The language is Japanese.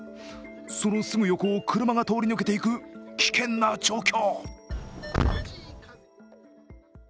そのすぐ横を車が通り抜けていく危険な状況。